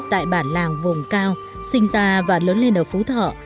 tại bản làng vùng cao sinh ra và lớn lên ở phú thọ